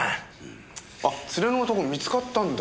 あっ連れの男見つかったんだ。